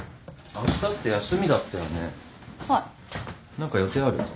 何か予定ある？